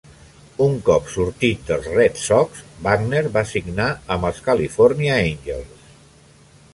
Un cop sortit dels Red Sox, Buckner va signar amb els California Angels.